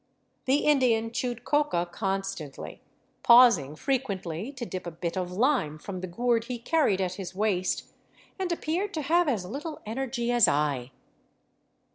The Indian chewed coca constantly, pausing frequently to dip a bit of lime from the gourd he carried at his waist, and appeared to have as little energy as I.